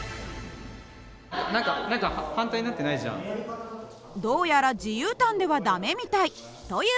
何か何かどうやら自由端では駄目みたい。という